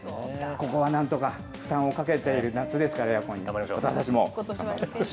ここはなんとか負担をかけている夏ですから、エアコンの。